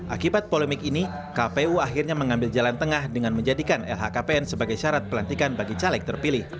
akibat polemik ini kpu akhirnya mengambil jalan tengah dengan menjadikan lhkpn sebagai syarat pelantikan bagi caleg terpilih